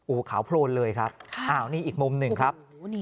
โอ้โหขาวโพลนเลยครับอ้าวนี่อีกมุมหนึ่งครับ